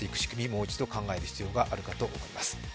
もう一度考えていく必要があるかと思います。